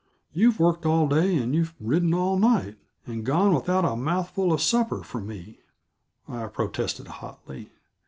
"You worked all day, and you've ridden all night, and gone without a mouthful of supper for me," I protested hotly.